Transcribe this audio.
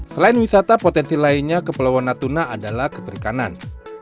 selain wisata potensi lainnya kepulauan natuna adalah keperikanan